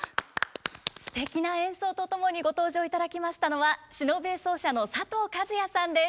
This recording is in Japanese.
すてきな演奏と共にご登場いただきましたのは篠笛奏者の佐藤和哉さんです。